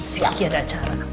siki ada acara